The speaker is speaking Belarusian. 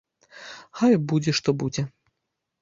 Хай будзе, што будзе!